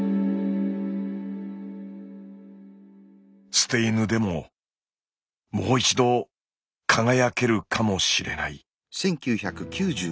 捨て犬でももう一度輝けるかもしれない。